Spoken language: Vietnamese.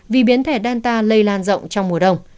vì biến thể delta